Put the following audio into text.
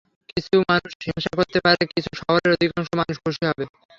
কিছু মানুষ হিংসা করতে পারে, কিন্তু শহরের অধিকাংশ মানুষ খুশি হবে।